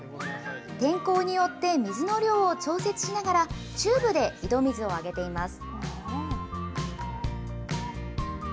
天候によって水の量を調節しながら、チューブで井戸水をあげています。